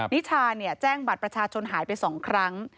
นิชาแจ้งบัตรประชาชนหายไป๒ครั้ง